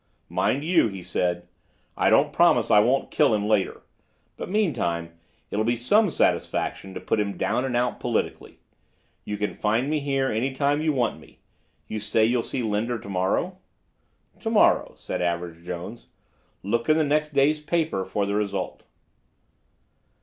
"Mind you," he said, "I don't promise I won't kill him later. But meantime it'll be some satisfaction to put him down and out politically. You can find me here any time you want me. You say you'll see Linder to morrow?" "To morrow," said Average Jones. "'Look in the next day's papers for the result."